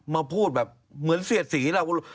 มาพูดแบบเหมือนเสียดสีแล้ว